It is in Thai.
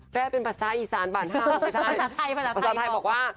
แปลเป็นภาษาอีสานภาษาไทยภาษาไทยบอกว่า